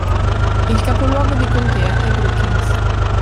Il capoluogo di contea è Brookings.